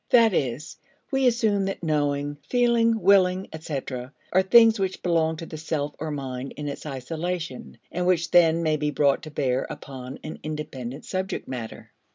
That is, we assume that knowing, feeling, willing, etc., are things which belong to the self or mind in its isolation, and which then may be brought to bear upon an independent subject matter.